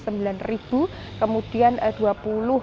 ini yang mendapat apa terdampak banjir tersendiri dan terjadi banjir tersebut